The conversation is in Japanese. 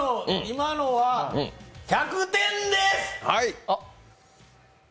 今のは、１００点です。